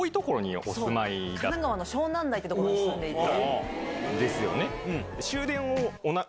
神奈川の湘南台って所に住んでいて。